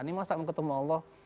ini masa mau ketemu allah